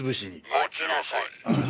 待ちなさい。